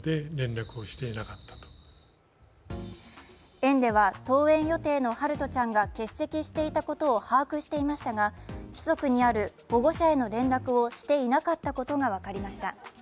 園では登園予定の陽翔ちゃんが欠席していたことを把握していましたが規則にある保護者への連絡をしていなかったことが分かりました。